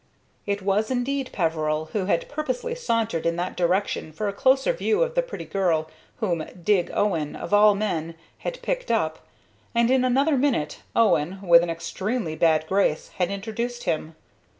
It was indeed Peveril, who had purposely sauntered in that direction for a closer view of the pretty girl whom "Dig" Owen, of all men, had picked up; and, in another minute, Owen, with an extremely bad grace, had introduced him.